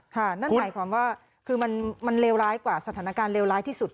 แล้วไหมคุณมันเลวร้ายกว่าสถานการณ์เลวร้ายที่สุด